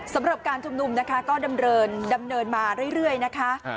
สำหรับการชุมนุมนะคะก็ดำเนินมาเรื่อยนะคะ